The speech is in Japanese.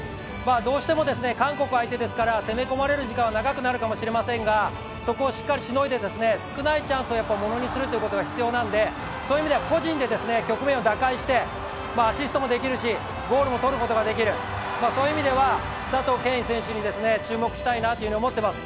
どうしても韓国相手ですから、攻め込まれる時間は長くなるかもしれませんが、そこをしっかりしのいで、少ないチャンスをものにすることが必要なので、そういう意味では個人で局面を打開して、アシストもできるしゴールも取ることができる、そういう意味では佐藤恵允選手に注目したいなと思っています。